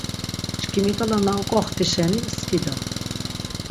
Çkimi ǩala na oǩoxti şeni skida.